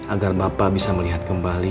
agar bapak bisa melihat kembali